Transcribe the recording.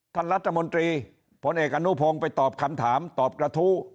ท่านรัฐมนตรีผลเอกอนุพงศ์ไปตอบคำถามตอบกระทู้